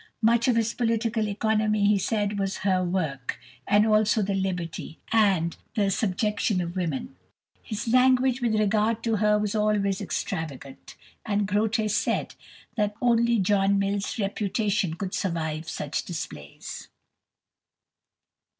Much of his "Political Economy," he said, was her work, and also the "Liberty" and the "Subjection of Women." His language with regard to her was always extravagant, and Grote said that "only John Mill's reputation could survive such displays."